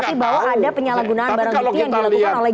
pasti bahwa ada penyalahgunaan barang bukti yang dilakukan oleh